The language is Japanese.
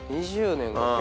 ２０年か。